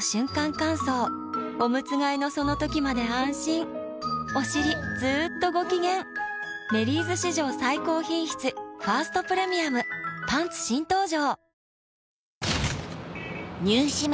乾燥おむつ替えのその時まで安心おしりずっとご機嫌「メリーズ」史上最高品質「ファーストプレミアム」パンツ新登場！